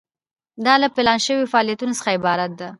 دا له پلان شوو فعالیتونو څخه عبارت ده.